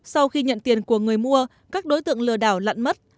sau khi nhận tiền của người mua các đối tượng lừa đảo lặn mất